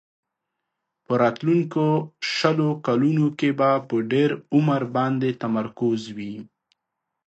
په راتلونکو شلو کلونو کې به په ډېر عمر باندې تمرکز وي.